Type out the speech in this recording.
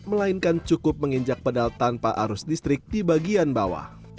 melainkan cukup menginjak pedal tanpa arus listrik di bagian bawah